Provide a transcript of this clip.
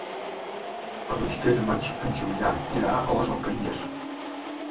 El vint-i-tres de maig en Julià irà a les Alqueries.